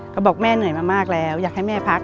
ก็บอกแม่เหนื่อยมามากแล้วอยากให้แม่พัก